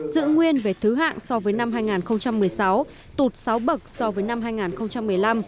giữ nguyên về thứ hạng so với năm hai nghìn một mươi sáu tụt sáu bậc so với năm hai nghìn một mươi năm